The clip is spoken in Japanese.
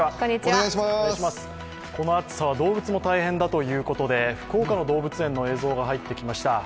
この暑さは動物も大変だということで福岡の動物園の映像が入ってきました。